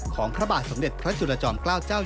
พระบาทสมเด็จพระจุลจอมเกล้าเจ้า